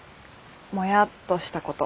モヤっとしたこと。